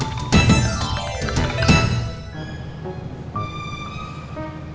aduh betul kabur